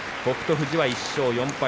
富士は１勝４敗。